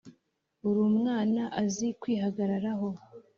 uramwana azi kwihagararaho